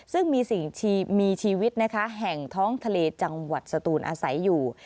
ซึ่งมีชีวิตแห่งท้องทะเลจังหวัดสตูนอาศัยอยู่